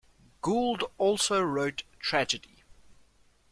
Gould also wrote tragedy.